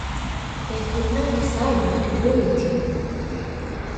They could not decide what to do with you.